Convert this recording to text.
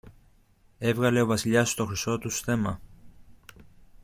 Έβγαλε ο Βασιλιάς το χρυσό του στέμμα